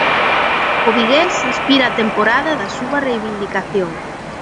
O vigués aspira á temporada da súa reivindicación.